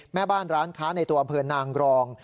แม่บ้านร้านค้าในตัวอำเภอนางรอง